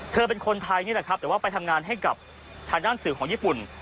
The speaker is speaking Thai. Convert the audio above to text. เป็นคนไทยนี่แหละครับแต่ว่าไปทำงานให้กับทางด้านสื่อของญี่ปุ่น